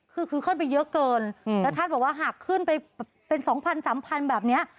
คือคือขึ้นไปเยอะเกินแล้วท่านบอกว่าหากขึ้นไปเป็นสองพันสามพันแบบนี้